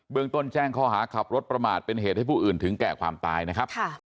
เมืองต้นแจ้งข้อหาขับรถประมาทเป็นเหตุให้ผู้อื่นถึงแก่ความตายนะครับ